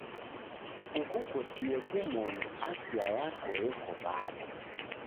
Kukukotie kumoni, afia yako eko w'ada?